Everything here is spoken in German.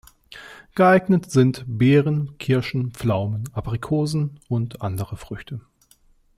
Geeignet sind Beeren, Kirschen, Pflaumen, Aprikosen und andere Früchte.